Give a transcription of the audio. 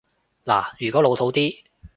嗱，如果老套啲